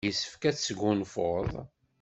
Yessefk ad tesgunfuḍ.